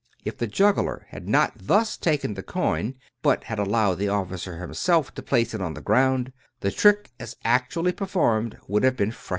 If the juggler had not thus taken the coin, but had allowed the officer himself to place it on the ground, the trick, as actually performed, would have been frustrated.